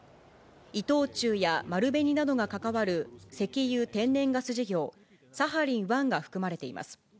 伊藤忠や丸紅などが関わる石油・天然ガス事業、サハリン１が含まれています。